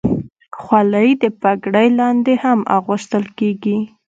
خولۍ د پګړۍ لاندې هم اغوستل کېږي.